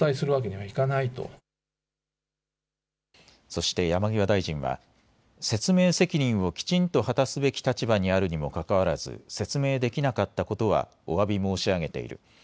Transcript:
そして山際大臣は、説明責任をきちんと果たすべき立場にあるにもかかわらず説明できなかったことはおわび申し上げている。